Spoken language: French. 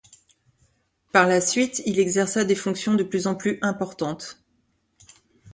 Par la suite il exerça des fonctions de plus en plus importantes.